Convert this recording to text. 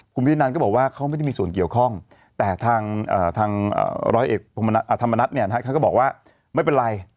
คุณพินันก็บอกว่าเขาไม่ได้มีส่วนเกี่ยวข้องแต่ทางร้อยเอกธรรมนัฐเขาก็บอกว่าไม่เป็นไร